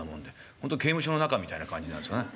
ほんと刑務所の中みたいな感じなんですね。